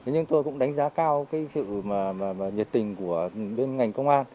nhưng tôi cũng đánh giá cao sự nhiệt tình của bên ngành công an